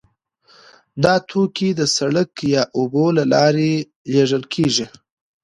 دا توکي د سړک یا اوبو له لارې لیږل کیږي